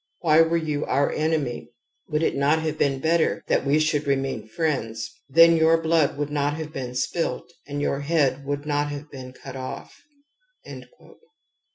Why were you our enemy ? Would it not have been better that we should remain friends ? Then your blood would not have been spilt and your head would not have been cut off'